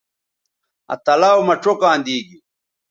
آ تلاؤ مہ چوکاں دی گی